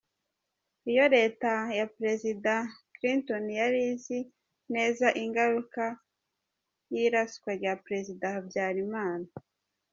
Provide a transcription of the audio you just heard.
Iyo Leta ya Prezida Clinton yari izi neza ingaruka ry’iraswa rya Prezida Habyarimana.